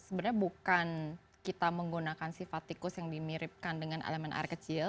sebenarnya bukan kita menggunakan sifat tikus yang dimiripkan dengan elemen air kecil